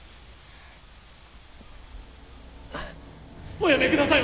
おやめください